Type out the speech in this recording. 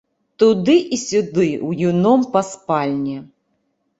Туды і сюды ўюном па спальні.